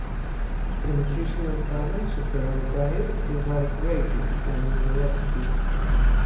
The nutritional balance of a raw diet can vary greatly depending on the recipe.